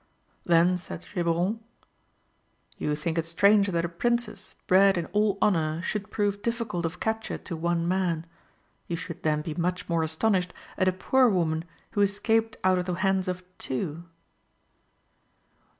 Then said Geburon "You think it strange that a Princess, bred in all honour, should prove difficult of capture to one man. You should then be much more astonished at a poor woman who escaped out of the hands of two."